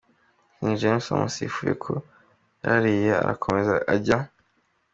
King James bamusifuye ko yararariye arakomeza ajya.